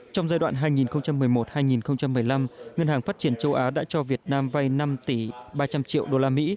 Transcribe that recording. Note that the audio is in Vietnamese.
trong giai đoạn hai nghìn một mươi một hai nghìn một mươi năm ngân hàng phát triển châu á đã cho việt nam vay năm ba trăm linh triệu usd